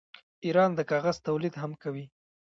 ایران د کاغذ تولید هم کوي.